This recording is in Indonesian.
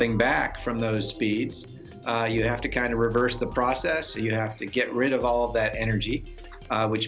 dan untuk membawa sesuatu kembali dari kecepatan tersebut anda harus mengulangi prosesnya anda harus menghilangkan semua tenaga itu